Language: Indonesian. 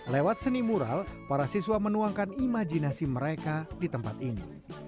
lewat seni mural para siswa menuangkan imajinasi mereka di tempat ini